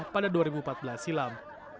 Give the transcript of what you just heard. pada dua ribu empat belas silam